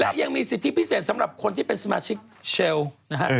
และยังมีสิทธิพิเศษสำหรับคนที่เป็นสมาชิกเชลล์นะฮะ